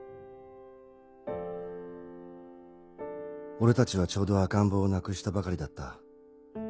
俺たちはちょうど赤ん坊を亡くしたばかりだった。